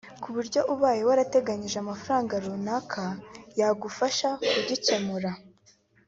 ku buryo ubaye warateganyije amafaranga runaka yagufasha kugikemura